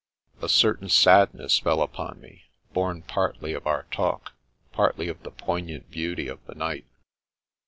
A certain sadness fell upon me, born partly of our talk, partly of the poignant beauty of the night.